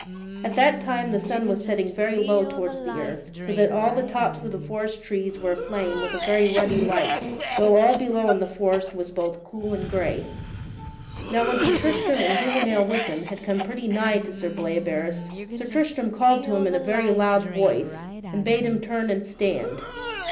At that time the sun was setting very low toward the earth, so that all the tops of the forest trees were aflame with a very ruddy light, though all below in the forest was both cool and gray. Now when Sir Tristram and Gouvernail with him had come pretty nigh to Sir Bleoberis, Sir Tristram called to him in a very loud voice, and bade him turn and stand.